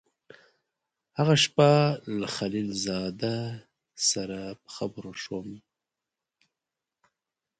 هغه شپه له خلیل زاده سره په خبرو شوم.